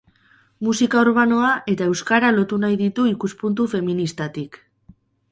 Musika urbanoa eta euskara lotu nahi ditu ikuspuntu feministatik.